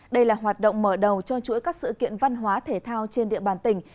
đây là hoạt động mở đầu cho chuỗi các sự kiện văn hóa thể thao trên địa bàn tỉnh